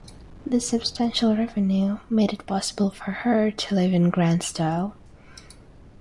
This substantial revenue made it possible for her to live in grand style.